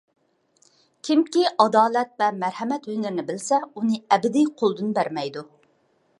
كىمكى ئادالەت ۋە مەرھەمەت ھۈنىرىنى بىلسە، ئۇنى ئەبەدىي قولىدىن بەرمەيدۇ.